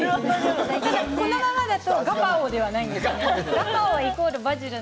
このままではガパオではないんですね。